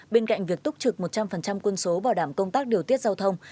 bên cạnh việc túc trực một trăm linh quân số bảo đảm công tác điều tiết giao thông